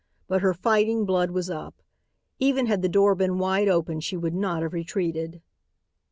But her fighting blood was up. Even had the door been wide open she would not have retreated.